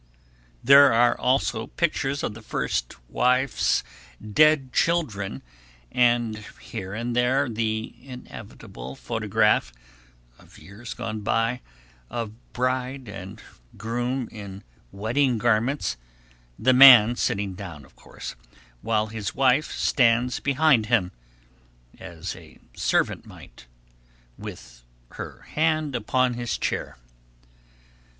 There are also pictures of the first wife's dead children, and here and there the inevitable photograph, of years gone by, of bride and groom in wedding garments the man sitting down, of course, while his wife stands behind him, as a servant might, with her hand upon his chair.